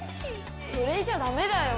それじゃだめだよ。